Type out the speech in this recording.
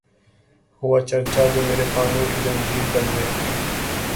ہوا چرچا جو میرے پانو کی زنجیر بننے کا